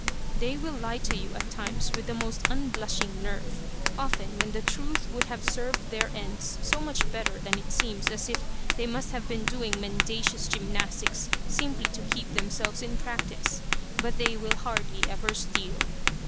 They will lie to you at times with the most unblushing nerve, often when the truth would have served their ends so much better that it seems as if they must have been doing mendacious gymnastics simply to keep themselves in practice; but they will hardly ever steal.